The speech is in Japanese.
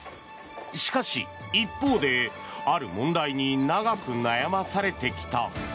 しかし、一方である問題に長く悩まされてきた。